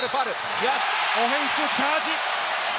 オフェンスチャージ！